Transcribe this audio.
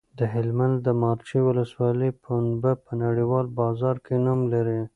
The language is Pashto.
د هلمند د مارجې ولسوالۍ پنبه په نړیوال بازار کې نوم لري.